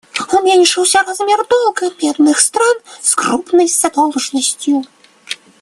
Уменьшился размер долга бедных стран с крупной задолженностью.